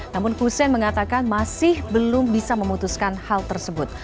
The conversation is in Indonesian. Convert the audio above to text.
namun hussein mengatakan masih belum bisa memutuskan hal tersebut